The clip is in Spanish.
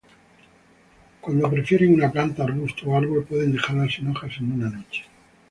Cuando prefieren una planta, arbusto o árbol, pueden dejarla sin hojas en una noche.